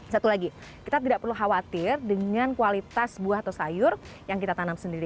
satu lagi kita tidak perlu khawatir dengan kualitas buah atau sayur yang kita tanam sendiri